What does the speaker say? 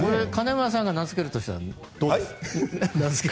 金村さんが名付けるとしたら？